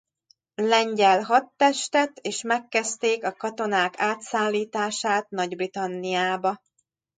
Lengyel Hadtestet és megkezdték a katonák átszállítását Nagy-Britanniába.